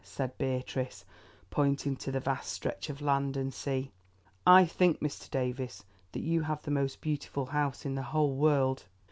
said Beatrice, pointing to the vast stretch of land and sea. "I think, Mr. Davies, that you have the most beautiful house in the whole world.